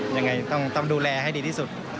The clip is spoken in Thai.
ยังไงต้องดูแลให้ดีที่สุด